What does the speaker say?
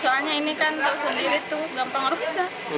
soalnya ini kan sendiri tuh gampang orang bisa